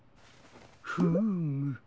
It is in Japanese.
フーム。